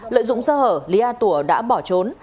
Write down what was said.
lợi dụng sơ hở lý a tủa đã bỏ trốn